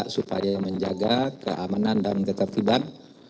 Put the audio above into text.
supaya menjaga keamanan dan ketertiban